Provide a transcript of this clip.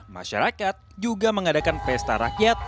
masyarakat juga mengadakan pesta rakyat